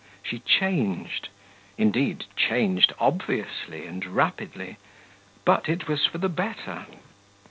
She changed, indeed, changed obviously and rapidly; but it was for the better.